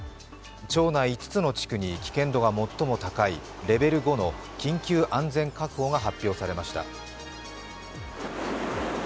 町内５つの地区に、危険度が最も高い、レベル５の緊急安全確保が発表されました。